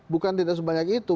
bukan tidak sebanyak itu